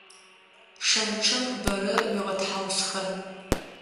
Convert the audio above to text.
Шэнычъэм бэрэ уигъэтхьаусхэн.